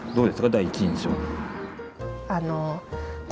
第一印象。